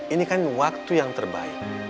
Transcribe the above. ini kan waktu yang terbaik